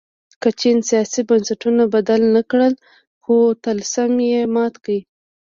که چین سیاسي بنسټونه بدل نه کړل خو طلسم یې مات کړ.